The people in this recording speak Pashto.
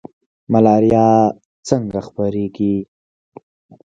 ملاریا څنګه خپریږي؟